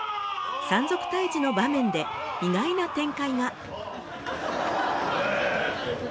山賊退治の場面で意外な展開が。